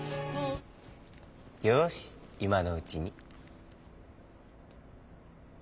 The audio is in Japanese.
よしいまのうちに。